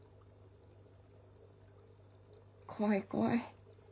怖い怖い。